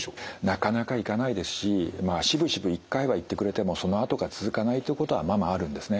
なかなか行かないですしまあしぶしぶ一回は行ってくれてもそのあとが続かないっていうことはままあるんですね。